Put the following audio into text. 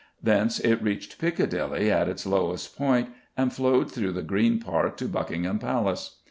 Thence it reached Piccadilly at its lowest point, and flowed through the Green Park to Buckingham Palace.